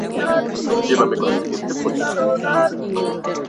Igualmente es conocida como Amanda Heart, Lucky Love o Sweet Lucky.